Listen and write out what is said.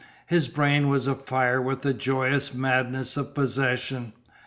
His brain was afire with the joyous madness of possession.